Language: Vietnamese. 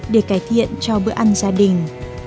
để cải thiện cho bữa ăn gia đình